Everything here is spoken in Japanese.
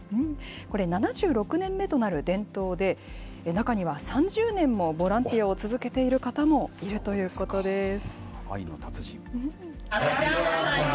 これ、７６年目となる伝統で、中には３０年もボランティアを続けている方もいるということです。